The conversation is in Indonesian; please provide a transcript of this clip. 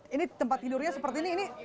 ini tempat tidurnya seperti ini